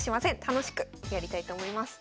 楽しくやりたいと思います。